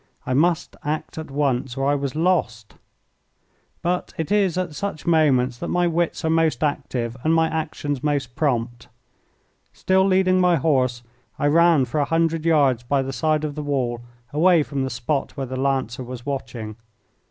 I must act at once or I was lost. But it is at such moments that my wits are most active and my actions most prompt. Still leading my horse, I ran for a hundred yards by the side of the wall away from the spot where the Lancer was watching.